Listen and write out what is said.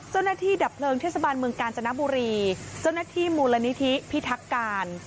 ดับเพลิงเทศบาลเมืองกาญจนบุรีเจ้าหน้าที่มูลนิธิพิทักการ